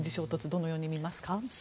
どのように見ますか？